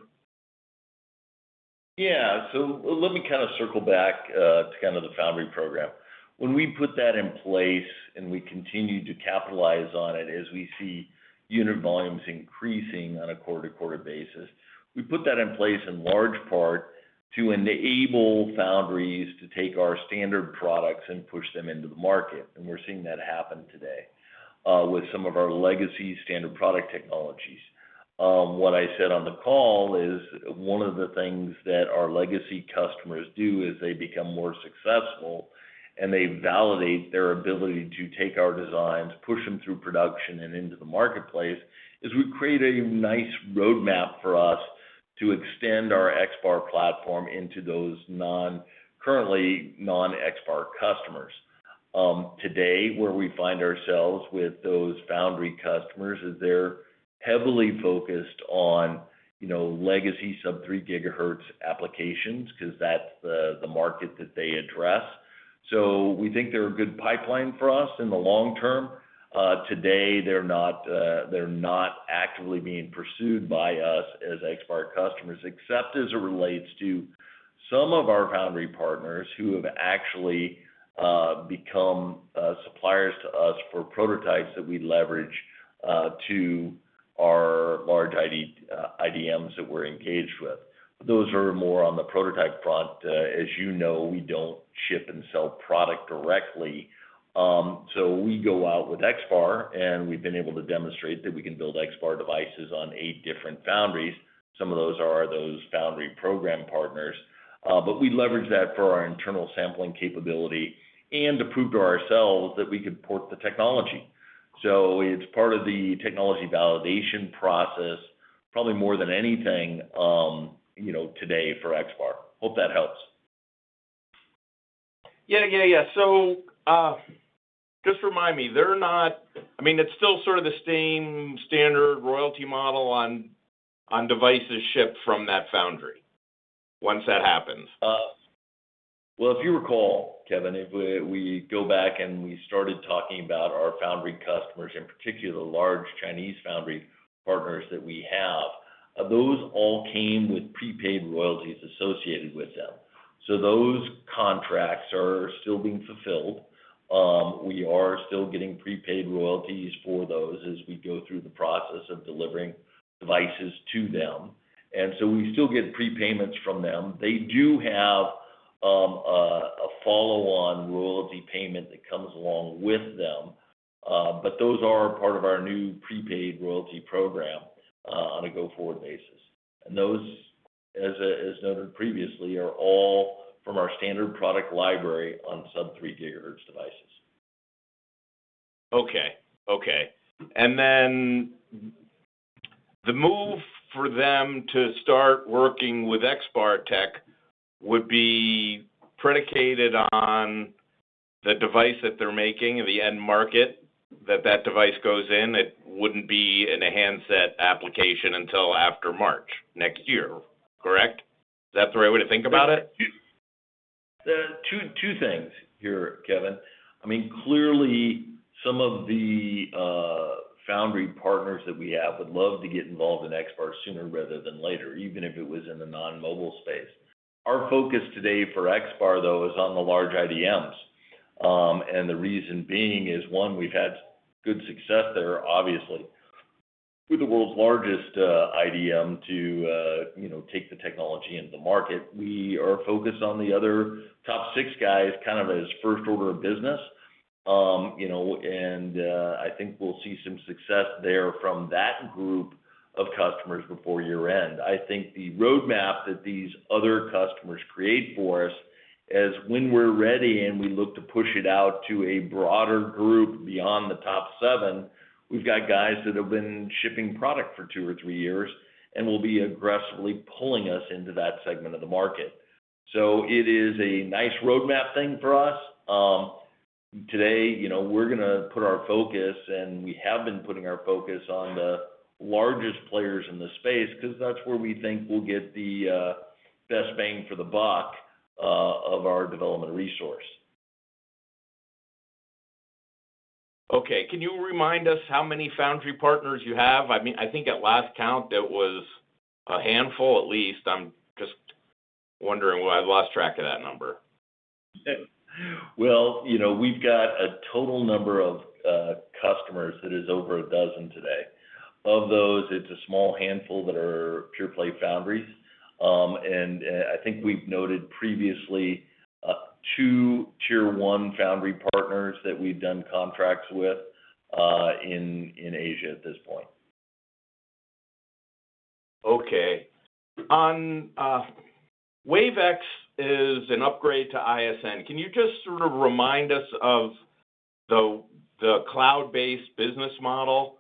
Yeah. Let me kind of circle back to kind of the foundry program. When we put that in place, we continue to capitalize on it as we see unit volumes increasing on a quarter-to-quarter basis, we put that in place in large part to enable foundries to take our standard products and push them into the market, we're seeing that happen today with some of our legacy standard product technologies. What I said on the call is one of the things that our legacy customers do as they become more successful, they validate their ability to take our designs, push them through production and into the marketplace, is we create a nice roadmap for us to extend our XBAR® platform into those currently non-XBAR® customers. Today, where we find ourselves with those foundry customers is they're heavily focused on legacy sub-3 GHz applications because that's the market that they address. We think they're a good pipeline for us in the long term. Today, they're not actively being pursued by us as XBAR® customers, except as it relates to some of our foundry partners who have actually become suppliers to us for prototypes that we leverage to our large IDMs that we're engaged with. Those are more on the prototype front. As you know, we don't ship and sell product directly. We go out with XBAR®, and we've been able to demonstrate that we can build XBAR® devices on eight different foundries. Some of those are those foundry program partners. We leverage that for our internal sampling capability and to prove to ourselves that we could port the technology. It's part of the technology validation process probably more than anything today for XBAR®. Hope that helps. Yeah, yeah. Just remind me, it's still sort of the same standard royalty model on devices shipped from that foundry, once that happens? If you recall, Kevin, if we go back and we started talking about our foundry customers, in particular, the large Chinese foundry partners that we have, those all came with prepaid royalties associated with them. Those contracts are still being fulfilled. We are still getting prepaid royalties for those as we go through the process of delivering devices to them. We still get prepayments from them. They do have a follow-on royalty payment that comes along with them. Those are part of our new prepaid royalty program on a go-forward basis. Those, as noted previously, are all from our standard product library on sub-3 GHz devices. Okay. Then the move for them to start working with XBAR® Tech would be predicated on the device that they're making, the end market that device goes in. It wouldn't be in a handset application until after March next year, correct? Is that the right way to think about it? Two things here, Kevin. Clearly, some of the foundry partners that we have would love to get involved in XBAR® sooner rather than later, even if it was in the non-mobile space. Our focus today for XBAR®, though, is on the large IDMs. The reason being is, one, we've had good success there, obviously. We're the world's largest IDM to take the technology into the market. We are focused on the other top six guys kind of as first order of business. I think we'll see some success there from that group of customers before year-end. I think the roadmap that these other customers create for us is when we're ready and we look to push it out to a broader group beyond the top seven, we've got guys that have been shipping product for two or three years and will be aggressively pulling us into that segment of the market. It is a nice roadmap thing for us. Today, we're going to put our focus, and we have been putting our focus on the largest players in the space because that's where we think we'll get the best bang for the buck of our development resource. Okay. Can you remind us how many foundry partners you have? I think at last count, it was a handful at least. I'm just wondering. I've lost track of that number. Well, we've got a total number of customers that is over a dozen today. Of those, it's a small handful that are pure-play foundries. I think we've noted previously two Tier-1 foundry partners that we've done contracts with in Asia at this point. WaveX™ is an upgrade to ISN®. Can you just sort of remind us of the cloud-based business model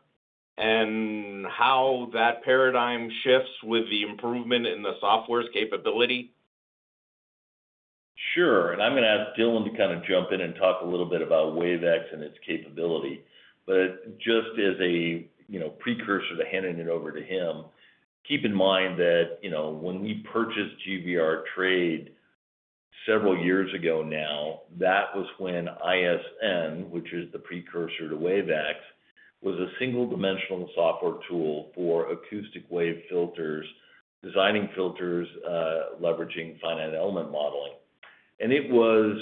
and how that paradigm shifts with the improvement in the software's capability? Sure. I'm going to ask Dylan to kind of jump in and talk a little bit about WaveX™ and its capability. Just as a precursor to handing it over to him, keep in mind that when we purchased GVR Trade several years ago now, that was when ISN®, which is the precursor to WaveX™, was a single-dimensional software tool for acoustic wave filters, designing filters, leveraging finite element modeling. It was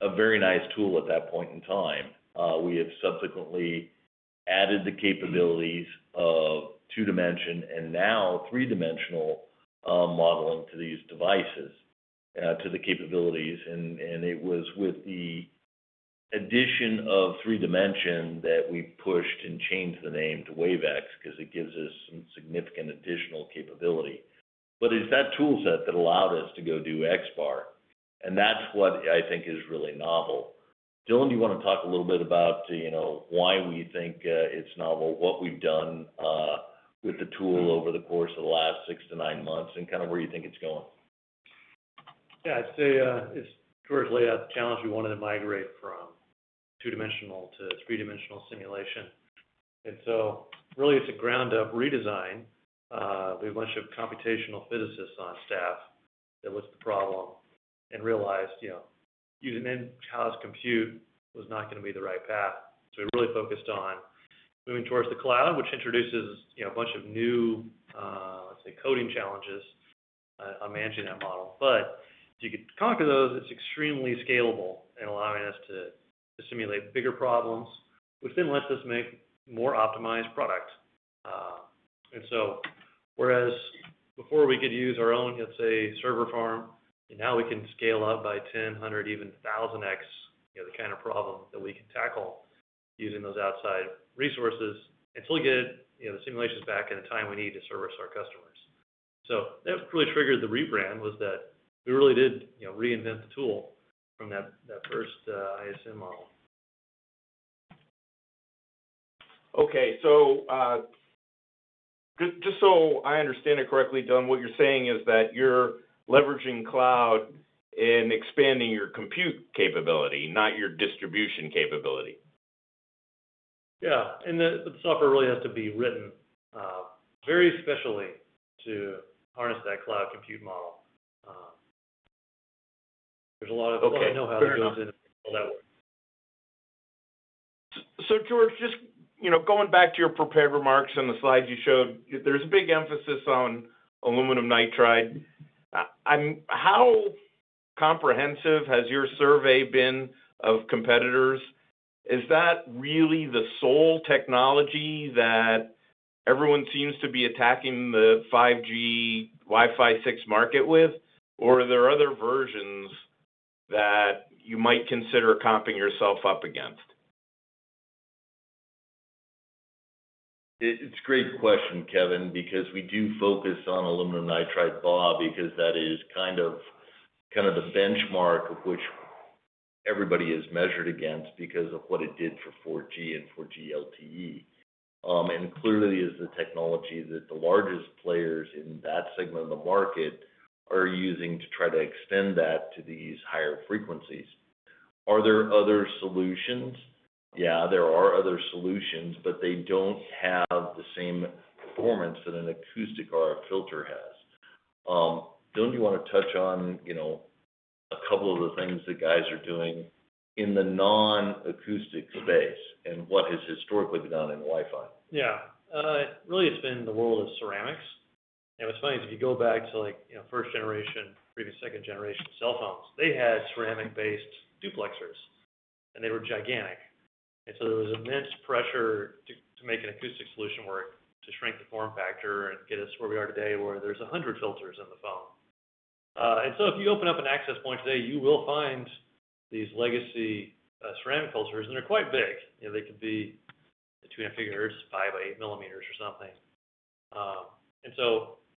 a very nice tool at that point in time. We have subsequently added the capabilities of two-dimension and now three-dimensional modeling to these devices, to the capabilities. It was with the addition of three-dimension that we pushed and changed the name to WaveX™ because it gives us some significant additional capability. It's that tool set that allowed us to go do XBAR®, and that's what I think is really novel. Dylan, do you want to talk a little bit about why we think it's novel, what we've done with the tool over the course of the last 6-9 months, and where you think it's going? Yeah. I'd say, as George laid out the challenge, we wanted to migrate from two-dimensional to three-dimensional simulation. Really, it's a ground-up redesign. We have a bunch of computational physicists on staff that looked at the problem and realized, using in-house compute was not going to be the right path. We really focused on moving towards the cloud, which introduces a bunch of new, let's say, coding challenges on managing that model. If you could conquer those, it's extremely scalable in allowing us to simulate bigger problems, which then lets us make more optimized product. Whereas before we could use our own, let's say, server farm, now we can scale up by 10, 100, even 1,000x, the kind of problem that we can tackle using those outside resources until we get the simulations back in the time we need to service our customers. That really triggered the rebrand, was that we really did reinvent the tool from that first ISN® model. Okay. Just so I understand it correctly, Dylan, what you're saying is that you're leveraging cloud and expanding your compute capability, not your distribution capability. Yeah. The software really has to be written very specially to harness that cloud compute model. There's a lot of- Okay, fair enough. know-how that goes into it. George, just going back to your prepared remarks and the slides you showed, there's a big emphasis on aluminum nitride. How comprehensive has your survey been of competitors? Is that really the sole technology that everyone seems to be attacking the 5G, Wi-Fi 6 market with? Or are there other versions that you might consider comping yourself up against? It's a great question, Kevin, because we do focus on aluminum nitride BAW because that is the benchmark of which everybody is measured against because of what it did for 4G and 4G LTE. Clearly, it is the technology that the largest players in that segment of the market are using to try to extend that to these higher frequencies. Are there other solutions? Yeah, there are other solutions, but they don't have the same performance that an acoustic or a filter has. Dylan, do you want to touch on a couple of the things that guys are doing in the non-acoustic space and what has historically been done in Wi-Fi? Yeah. Really, it's been the world of ceramics. What's funny is, if you go back to first generation, maybe second generation cell phones, they had ceramic-based duplexers, and they were gigantic. There was immense pressure to make an acoustic solution work to shrink the form factor and get us where we are today, where there's 100 filters in the phone. If you open up an access point today, you will find these legacy ceramic filters, and they're quite big. They could be, between a few hertz, 5 mm by 8 mm or something.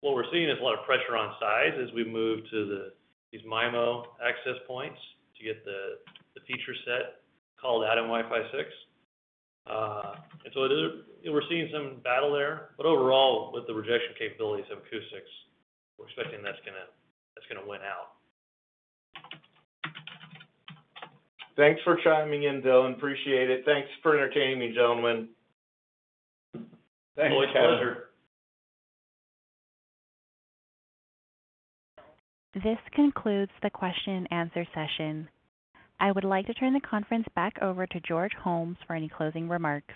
What we're seeing is a lot of pressure on size as we move to these MIMO access points to get the feature set called out in Wi-Fi 6. We're seeing some battle there. Overall, with the rejection capabilities of acoustics, we're expecting that's going to win out. Thanks for chiming in, Dylan. Appreciate it. Thanks for entertaining me, gentlemen. Thanks, Kevin. My pleasure. This concludes the question and answer session. I would like to turn the conference back over to George Holmes for any closing remarks.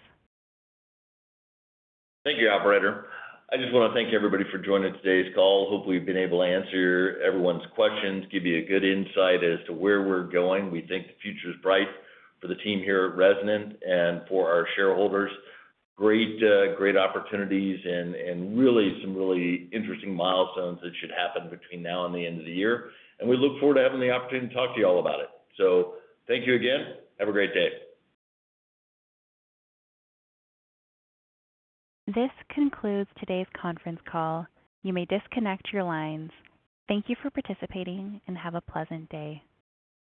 Thank you, operator. I just want to thank everybody for joining today's call. Hopefully, we've been able to answer everyone's questions, give you a good insight as to where we're going. We think the future's bright for the team here at Resonant and for our shareholders. Great opportunities and really some really interesting milestones that should happen between now and the end of the year. We look forward to having the opportunity to talk to you all about it. Thank you again. Have a great day. This concludes today's conference call. You may disconnect your lines. Thank you for participating, and have a pleasant day.